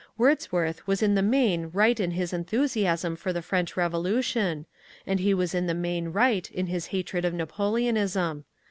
Wordsworth was in the main right in his enthusiasm for the French Revolution, and he was in the main right in his hatred of Napoleonism.